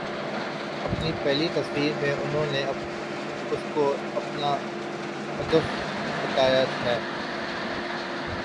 اپنی پہلی تقریر میں انہوں نے اس کو اپناہدف بتایا ہے۔